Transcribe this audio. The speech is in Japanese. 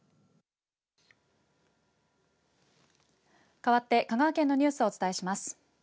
かわって香川県のニュースをお伝えします。